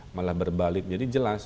malah berbalik jadi jelas